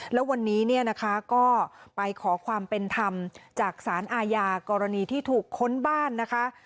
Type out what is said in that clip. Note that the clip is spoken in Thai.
แล้ววันนี้เนี่ยนะคะก็ไปขอความเป็นธรรมจากสารอาญากรณีที่ถูกค้นบ้านนะคะ